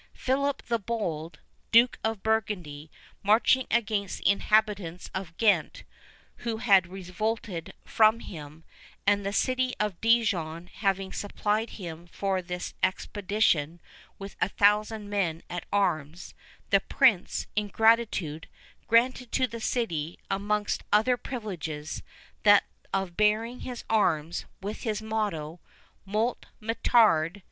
Philip the Bold, Duke of Burgundy, marching against the inhabitants of Ghent, who had revolted from him, and the city of Dijon having supplied him for this expedition with a thousand men at arms, the prince, in gratitude, granted to that city, amongst other privileges, that of bearing his arms, with his motto, "Moult me tarde."